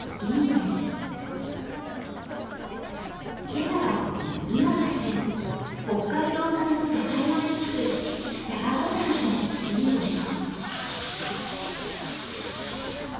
今朝は今が旬、北海道産のじゃがいもで作るじゃがバターのいい音。